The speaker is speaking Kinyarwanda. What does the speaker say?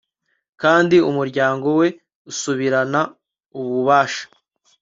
kandi umuryango we usubirana ububasha